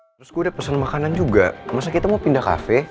terus gue udah pesen makanan juga masa kita mau pindah cafe